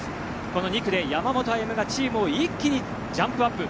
この２区で山本歩夢がチームを一気にジャンプアップ。